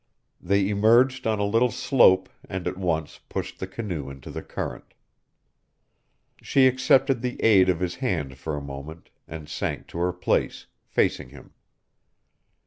They emerged on a little slope and at once pushed the canoe into the current. She accepted the aid of his hand for a moment, and sank to her place, facing him.